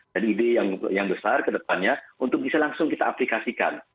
dan ide yang besar kedepannya untuk bisa langsung kita aplikasikan